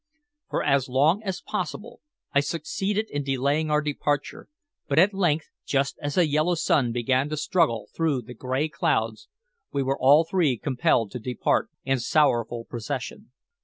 For as long as possible I succeeded in delaying our departure, but at length, just as the yellow sun began to struggle through the gray clouds, we were all three compelled to depart in sorrowful procession.